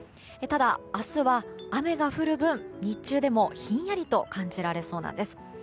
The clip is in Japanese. ただ、明日は雨が降る分日中でも、ひんやりと感じられそうなんです。